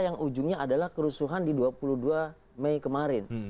yang ujungnya adalah kerusuhan di dua puluh dua mei kemarin